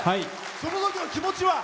そのときの気持ちは？